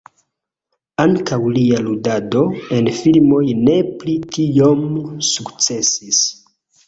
Ankaŭ lia ludado en filmoj ne pli tiom sukcesis.